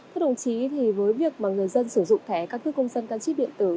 thưa đồng chí với việc người dân sử dụng thẻ căn cước công dân gắn chip điện tử